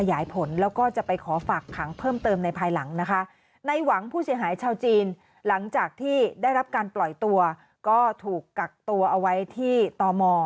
ยังไม่ได้ให้รายละเอียด